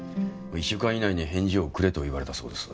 １週間以内に返事をくれと言われたそうです。